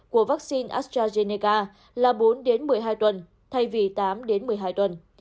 của vaccine astrazeneca là bốn đến một mươi hai tuần thay vì tám đến một mươi hai tuần